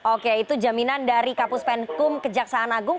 oke itu jaminan dari kapus penkum kejaksaan agung